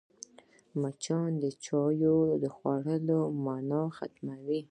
مچان د چايو خوړلو مانا ختموي